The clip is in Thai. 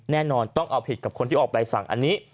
แน่นอนต้องเอาผิดกับคนที่ออกใบสั่งอันนี้